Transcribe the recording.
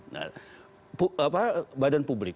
nah apa badan publik